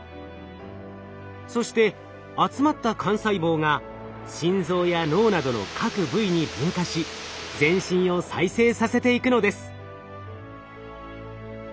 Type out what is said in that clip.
そして集まった幹細胞が心臓や脳などの各部位に分化し全身を再生させていくのです。